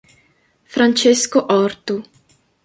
Francesco Ortu